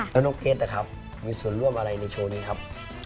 แล้วน้องเก็ตนะครับมีส่วนร่วมอะไรในโชว์นี้ครับ